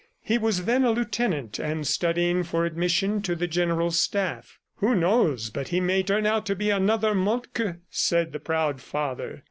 He was then a lieutenant and studying for admission to the General Staff. "Who knows but he may turn out to be another Moltke?" said the proud father